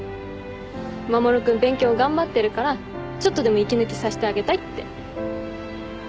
守君勉強頑張ってるからちょっとでも息抜きさせてあげたいって。